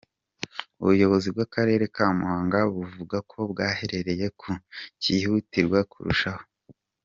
Ubuyobozi bw'akarere ka Muhanga buvuga ko bwahereye ku kihutirwaga kurushaho.